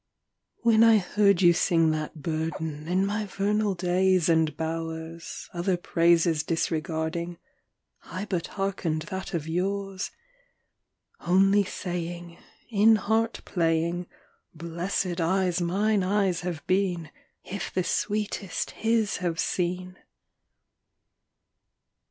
II. When I heard you sing that burden In my vernal days and bowers, Other praises disregarding, I but hearkened that of yours Only saying In heart playing, "Blessed eyes mine eyes have been, If the sweetest HIS have seen!"